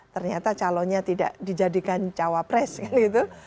ternyata calonnya tidak dijadikan cawapres kan gitu